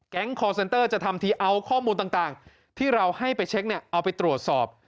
คอร์เซนเตอร์จะทำทีเอาข้อมูลต่างที่เราให้ไปเช็คเนี่ยเอาไปตรวจสอบ